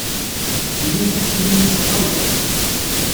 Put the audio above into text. Tulimt aseklu-nni s tɣawla.